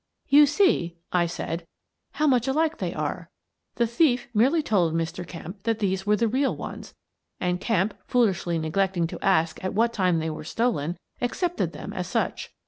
"You see," I said, "how much alike they arc. The thief merely told Mr. Kemp that these were the real ones, and Kemp, foolishly neglecting to ask at what time they were stolen, accepted them as such.